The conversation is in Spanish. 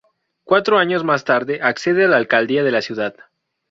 Cuatro años más tarde accede a la alcaldía de la ciudad.